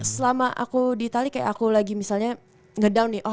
selama aku di itali kayak aku lagi misalnya ngedown nih